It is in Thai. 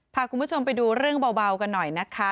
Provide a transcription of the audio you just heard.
พาคุณผู้ชมไปดูเรื่องเบากันหน่อยนะคะ